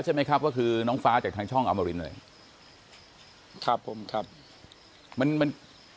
ใช่ไหมครับก็คือน้องฟ้าจากทางช่องอมรินเลยครับผมครับมันมัน